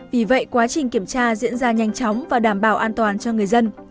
vì vậy quá trình kiểm tra diễn ra nhanh chóng và đảm bảo an toàn cho người dân